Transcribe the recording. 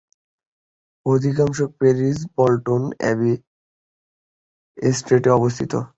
অধিকাংশ parish Bolton Abbey এস্টেটে অবস্থিত।